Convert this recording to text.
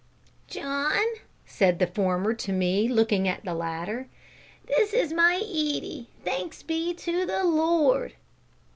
"John," said the former to me, looking at the latter, "this is my Edie, thanks be to the Lord."